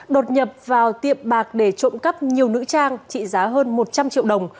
đột nhập vào tiệm bạc để trộm cắp nhiều nữ trang trị giá hơn một trăm linh triệu đồng